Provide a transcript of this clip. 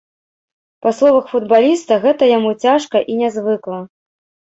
Па словах футбаліста, гэта яму цяжка і нязвыкла.